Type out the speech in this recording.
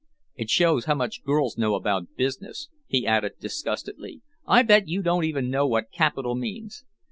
It shows how much girls know about business," he added disgustedly. "I bet you don't even know what capital means."